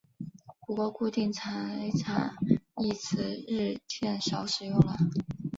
不过固定财产一词日渐少使用了。